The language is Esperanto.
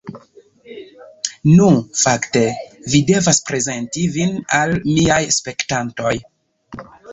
Nu, fakte, vi devas prezenti vin al miaj spektantoj